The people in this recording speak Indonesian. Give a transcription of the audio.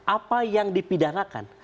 apa yang dipindahkan